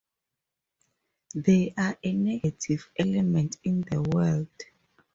They are a negative element in the world.